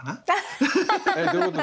えどういうこと？